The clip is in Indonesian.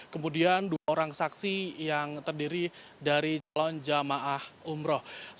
kemudian dua orang saksi yang terdiri dari calon jamaah umroh